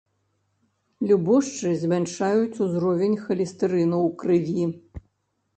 Любошчы змяншаюць узровень халестэрыну ў крыві.